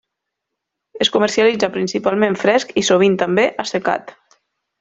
Es comercialitza principalment fresc i, sovint també, assecat.